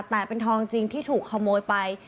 แต่เป็นทองจริงที่ถูกขโมยไป